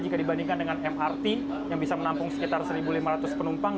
jika dibandingkan dengan mrt yang bisa menampung sekitar satu lima ratus penumpang